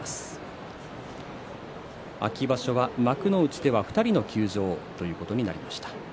秋場所は幕内では２人の休場ということになりました。